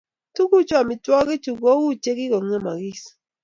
Toku amitwogichu kou che kikongemogis